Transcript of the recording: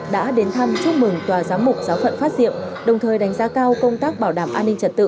đã đến thăm chúc mừng tòa giám mục giáo phận phát diệm đồng thời đánh giá cao công tác bảo đảm an ninh trật tự